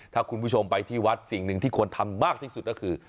ถ้าคุณผู้ชมไปที่วัดสิ่งหนึ่งที่ควรทำมากที่สุดก็คือ